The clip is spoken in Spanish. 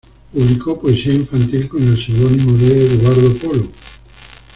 Publicó poesía infantil con el seudónimo de Eduardo Polo.